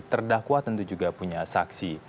terdakwa tentu juga punya saksi